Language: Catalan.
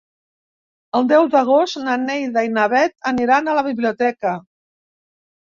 El deu d'agost na Neida i na Bet aniran a la biblioteca.